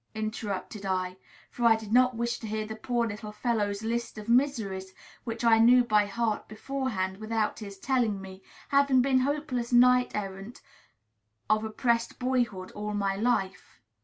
interrupted I; for I did not wish to hear the poor little fellow's list of miseries, which I knew by heart beforehand without his telling me, having been hopeless knight errant of oppressed boyhood all my life.